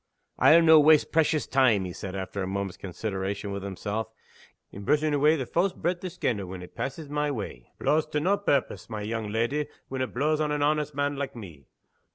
"I'll no' waste precious time," he said, after a moment's consideration with himself, "in brushing awa' the fawse breath o' scandal, when it passes my way. It blaws to nae purpose, my young leddy, when it blaws on an honest man like me.